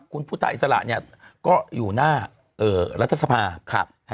คุณพุทธอิสระเนี่ยก็อยู่หน้ารัฐสภาครับ